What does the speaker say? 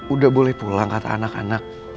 udah boleh pulang kata anak anak